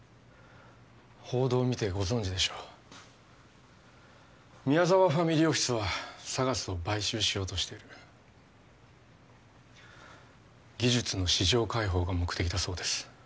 報道を見てご存じでしょう宮沢ファミリーオフィスはＳＡＧＡＳを買収しようとしている技術の市場開放が目的だそうです